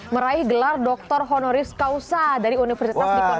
meraih gelar doktor honoris causa dari universitas di pondogola sumarang